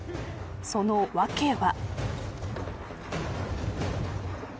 その訳は。